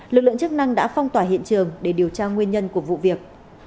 lực lượng chức năng đã phong tỏa hiện trường để điều tra nguyên nhân của vụ việc